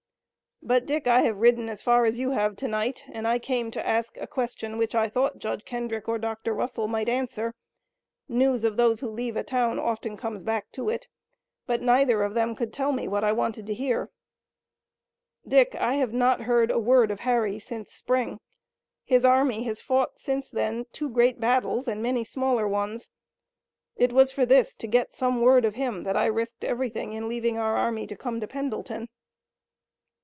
But, Dick, I have ridden as far as you have to night, and I came to ask a question which I thought Judge Kendrick or Dr. Russell might answer news of those who leave a town often comes back to it but neither of them could tell me what I wanted to hear. Dick, I have not heard a word of Harry since spring. His army has fought since then two great battles and many smaller ones! It was for this, to get some word of him, that I risked everything in leaving our army to come to Pendleton!"